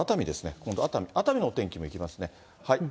今度熱海、熱海のお天気もいきますね。